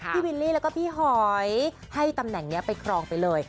วิลลี่แล้วก็พี่หอยให้ตำแหน่งนี้ไปครองไปเลย